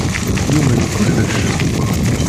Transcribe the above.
Yumen kullec.